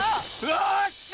よっしゃ！